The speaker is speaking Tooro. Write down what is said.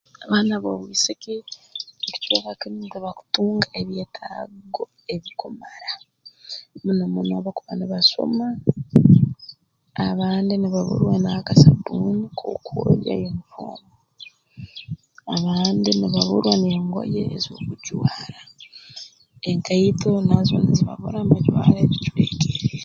Abaana b'obwisiki mu kicweka kinu tibakutunga ebyetaago ebikumara muno muno abakuba nibasoma abandi nibaburwa n'akasabbuuni k'okwogya yunifoomu abandi nibaburwa n'engoye ez'okujwara enkaito nazo nizibabura nibajwara ebicwekere